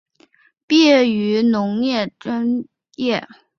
毕业于山东农业大学种子专业。